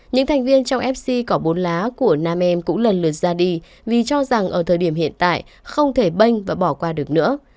những thành viên trong fc cỏ bốn lá của nam em cũng lần lượt ra đi vì cho rằng ở thời điểm hiện tại không thể banh và bỏ qua được nữa